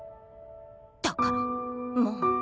だからもう。